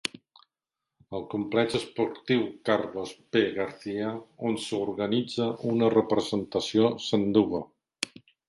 El complex esportiu Carlos P. Garcia on s'organitza una representació Sandugo.